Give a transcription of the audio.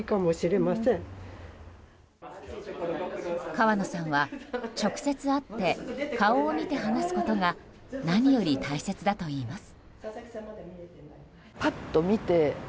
河野さんは、直接会って顔を見て話すことが何より大切だといいます。